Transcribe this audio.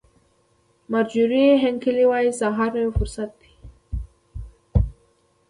مارجوري هینکلي وایي سهار نوی فرصت دی.